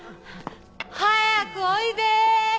早くおいで！